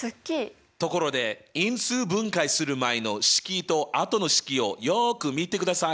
ところで因数分解する前の式と後の式をよく見てください。